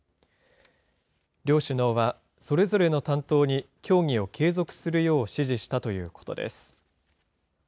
両首脳はそれぞれの担当に協議を継続するよう指示したということです。